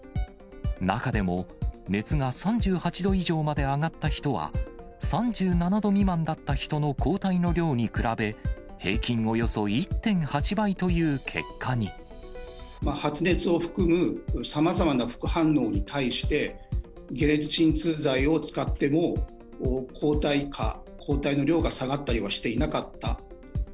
中でも、熱が３８度以上まで上がった人は、３７度未満だった人の抗体の量に比べ、平均およそ１．８倍という発熱を含む、さまざまな副反応に対して、解熱鎮痛剤を使っても、抗体価・抗体の量が下がったりはしていなかった。